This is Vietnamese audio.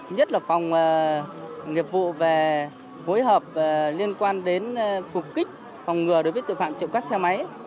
nhất là phòng nghiệp vụ về phối hợp liên quan đến phục kích phòng ngừa đối với tội phạm trộm cắp xe máy